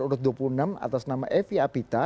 urut dua puluh enam atas nama evi apita